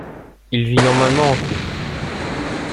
Il vit normalement en couple.